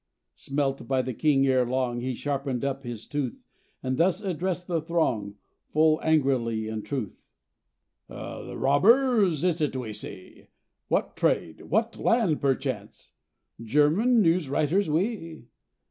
"Smelt by the king ere long, He sharpened up his tooth, And thus addressed the throng (Full angrily, in truth): "'The robbers is't we see? What trade? What land, perchance?' 'German news writers we!'